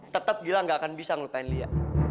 tetap gilang gak akan bisa melupakan lia